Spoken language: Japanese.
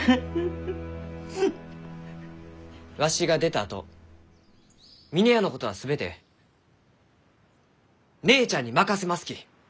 わしが出たあと峰屋のことは全て姉ちゃんに任せますき。